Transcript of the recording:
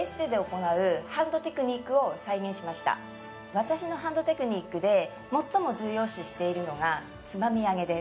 まず私のハンドテクニックで最も重要視しているのがつまみあげです